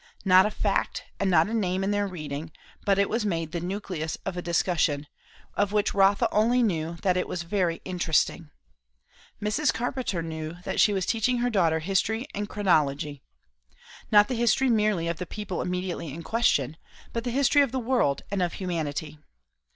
Not a fact and not a name in their reading, but it was made the nucleus of a discussion, of which Rotha only knew that it was very interesting; Mrs. Carpenter knew that she was teaching her daughter history and chronology. Not the history merely of the people immediately in question, but the history of the world and of humanity.